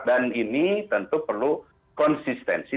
dan ini tentu perlu konsistensi